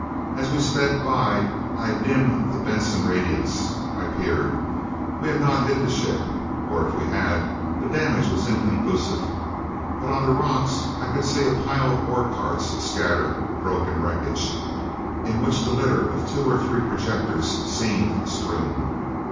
As we sped by, I dimmed the Benson radiance. I peered. We had not hit the ship. Or if we had, the damage was inconclusive. But on the rocks I could see a pile of ore carts scattered broken wreckage, in which the litter of two or three projectors seemed strewn.